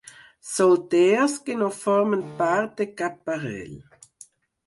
Solters, que no formen part de cap parell.